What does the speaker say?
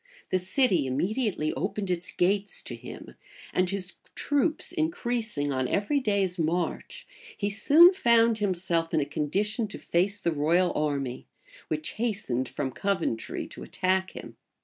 The city immediately opened its gates to him; and his troops increasing on every day's march, he soon found himself in a condition to face the royal army, which hastened from Coventry to attack him.